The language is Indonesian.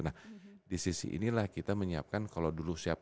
nah di sisi inilah kita menyiapkan kalau dulu siap